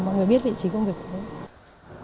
mọi người biết vị trí công việc của mình